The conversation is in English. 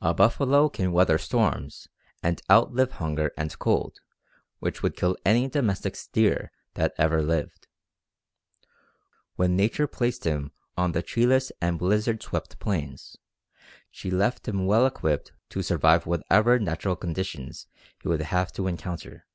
A buffalo can weather storms and outlive hunger and cold which would kill any domestic steer that ever lived. When nature placed him on the treeless and blizzard swept plains, she left him well equipped to survive whatever natural conditions he would have to encounter.